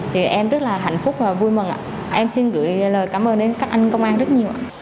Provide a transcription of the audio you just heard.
thì em rất là hạnh phúc và vui mừng ạ em xin gửi lời cảm ơn đến các anh công an rất nhiều ạ